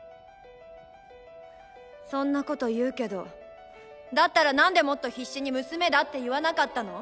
そんなこと言うけどだったらなんでもっと必死に娘だって言わなかったの？